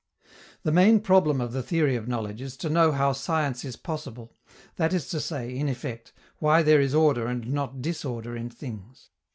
The main problem of the theory of knowledge is to know how science is possible, that is to say, in effect, why there is order and not disorder in things.